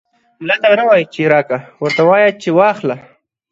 ملا ته به نه وايي چې راکه ، ورته وايې به چې واخله.